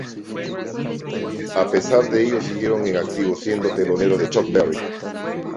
A pesar de ello siguieron en activo, siendo teloneros de Chuck Berry.